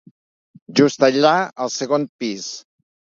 Just allà al segon pis.